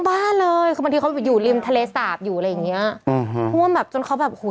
บ้านเลยคือบางทีเค้าอยู่ริมทะเลสาบอยู่อะไรอย่างนี้อ่ะอืมฮอมแบบจนเขาแบบโอ้ย